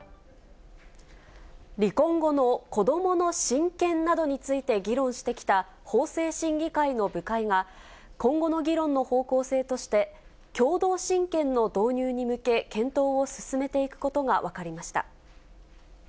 離婚後の子どもの親権などについて議論してきた法制審議会の部会が、今後の議論の方向性として、共同親権の導入に向け、検討を進めていくことが分かりました。